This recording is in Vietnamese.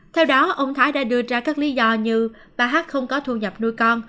theo đó ông thái đã đưa ra các lý do như bà hát không có thu nhập nuôi con